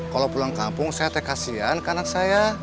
kalau pulang kampung saya teh kasian ke anak saya